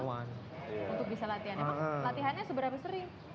untuk bisa latihan emang latihannya seberapa sering